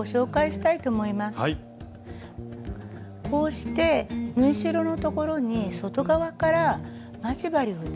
こうして縫い代の所に外側から待ち針を打ちます。